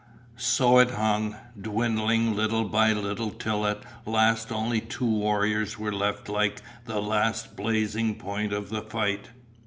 So it hung, dwindling little by little till at last only two warriors were left like the last blazing point of the fight.